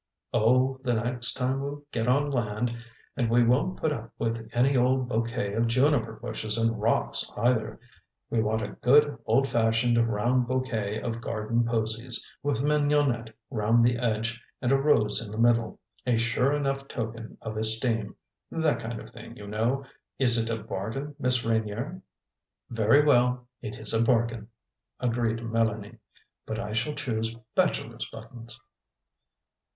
"Oh, the next time we get on land. And we won't put up with any old bouquet of juniper bushes and rocks, either. We want a good, old fashioned round bouquet of garden posies, with mignonette round the edge and a rose in the middle; a sure enough token of esteem that kind of thing, you know. Is it a bargain, Miss Reynier?" "Very well, it is a bargain," agreed Mélanie; "but I shall choose bachelors' buttons!"